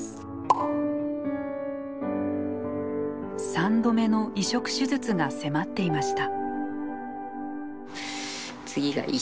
３度目の移植手術が迫っていました。